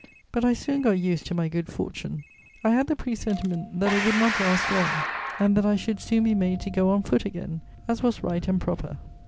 But I soon got used to my good fortune; I had the presentiment that it would not last long and that I should soon be made to go on foot again, as was right and proper.